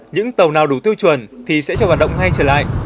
những tàu nào đủ tiêu chuẩn thì sẽ cho hoạt động ngay trở lại